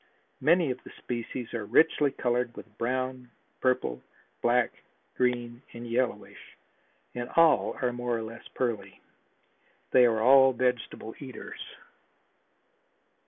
Many of the species are richly colored with brown, purple, black, green and yellowish, and all are more or less pearly. They are all vegetable eaters.